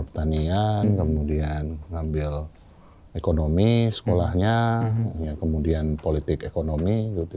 pertanian kemudian ngambil ekonomi sekolahnya kemudian politik ekonomi